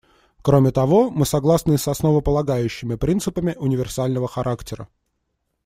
Кроме того, мы согласны и с основополагающими принципами универсального характера.